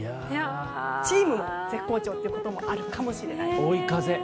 チーム絶好調ということもあるかもしれない。